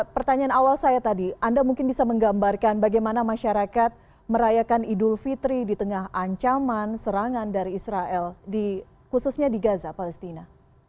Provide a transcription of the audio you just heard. pertanyaan awal saya tadi anda mungkin bisa menggambarkan bagaimana masyarakat merayakan idul fitri di tengah ancaman serangan dari israel khususnya di gaza palestina